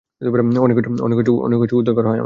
অনেক কষ্টে উদ্ধার করা হয় আমাকে।